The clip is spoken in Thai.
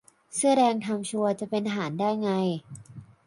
เสื้อแดงทำชัวร์ จะเป็นทหารได้ไง !